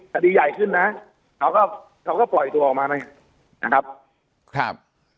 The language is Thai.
แต่ดีใหญ่ขึ้นนะเขาก็ปล่อยตัวออกมานะครับ